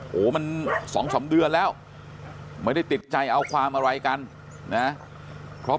โหมัน๒๓เดือนแล้วไม่ได้ติดใจเอาความอะไรกันนะเพราะ